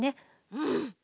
うん。